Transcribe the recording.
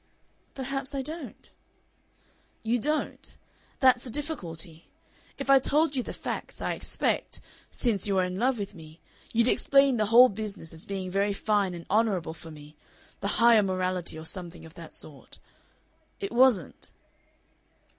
"Perhaps I don't." "You don't. That's the difficulty. If I told you the facts, I expect, since you are in love with me, you'd explain the whole business as being very fine and honorable for me the Higher Morality, or something of that sort.... It wasn't."